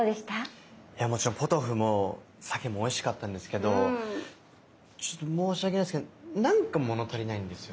いやもちろんポトフもさけもおいしかったんですけどちょっと申し訳ないんですけどなんか物足りないんですよね。